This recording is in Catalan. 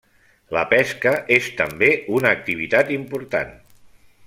La pesca és també una activitat important.